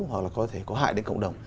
hoặc là có thể có hại đến cộng đồng